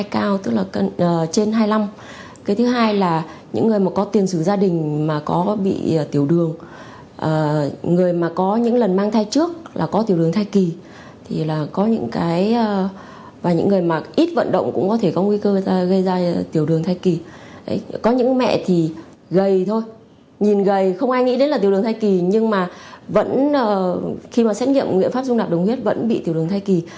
có những mẹ thì gầy thôi nhìn gầy không ai nghĩ đến là tiểu đường thai kỳ nhưng mà vẫn khi mà xét nghiệm nguyện pháp dung đạp đồng huyết vẫn bị tiểu đường thai kỳ